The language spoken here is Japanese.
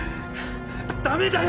ダメだよ